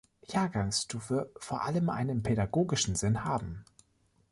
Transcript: Jahrgangsstufe vor allem einen pädagogischen Sinn haben.